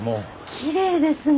きれいですね！